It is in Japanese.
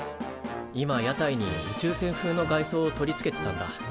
今屋台に宇宙船風の外装を取り付けてたんだ。